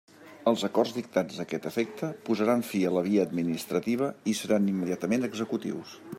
Els acords dictats a aquest efecte posaran fi a la via administrativa i seran immediatament executius.